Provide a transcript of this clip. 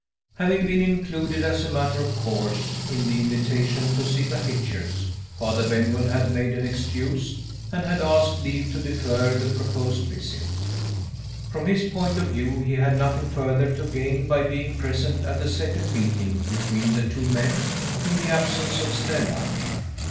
Having been included, as a matter of course, in the invitation to see the pictures, Father Benwell had made an excuse, and had asked leave to defer the proposed visit. From his point of view, he had nothing further to gain by being present at a second meeting between the two men in the absence of Stella.